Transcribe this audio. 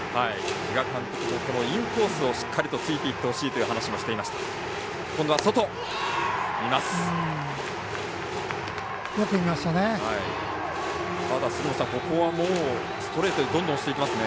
比嘉監督もインコースをしっかり突いていってほしいとよく見ましたね。